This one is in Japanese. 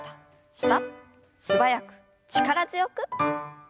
素早く力強く。